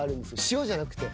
塩じゃなくて。